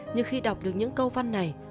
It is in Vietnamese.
nhưng khi đọc được những câu văn này